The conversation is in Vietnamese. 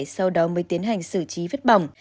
sau đó mới tiến hành xử trí vết bỏng